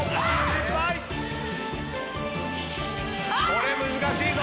これ難しいぞ。